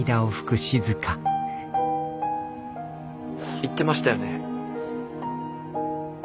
言ってましたよね。